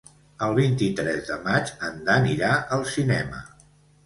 El vint-i-tres de maig en Dan irà al cinema.